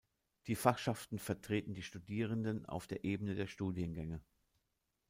Die Fachschaften vertreten die Studierenden auf der Ebene der Studiengänge.